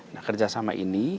nah kerjasama ini